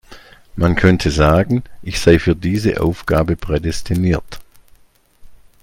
Man könnte sagen, ich sei für diese Aufgabe prädestiniert.